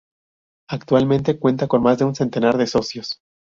Actualmente cuenta con más de un centenar de socios.